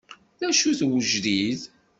D acu n wejdid?